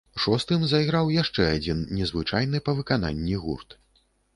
Шостым зайграў яшчэ адзін незвычайны па выкананні гурт.